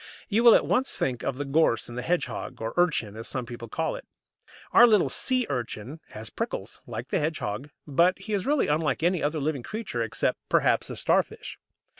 You will at once think of the gorse and the hedgehog, or urchin, as some people call it. Our little Sea urchin has prickles, like the hedgehog, but he is really unlike any other living creature, except, perhaps, the Starfish.